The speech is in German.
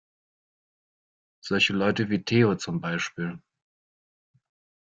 Solche Leute wie Theo, zum Beispiel.